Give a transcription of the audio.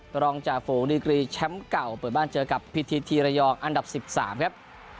รองจ่าฝูงดีกรีแชมป์เก่าเปิดบ้านเจอกับพิธีทีระยองอันดับ๑๓ครับ